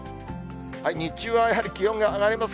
日中はやはり気温が上がります。